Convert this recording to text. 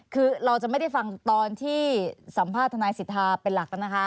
คือเราจะไม่ได้ฟังตอนที่สัมภาษณ์ทนายสิทธาเป็นหลักนะคะ